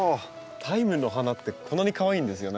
タイムの花ってこんなにかわいいんですよね。